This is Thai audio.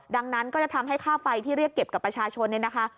ดังนั้นก็จะทำให้ค่าไฟที่เรียกเก็บกับประชาชนเนี่ยนะคะ